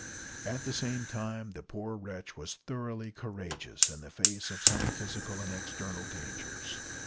At the same time, the poor wretch was thoroughly courageous in the face of some physical and external dangers.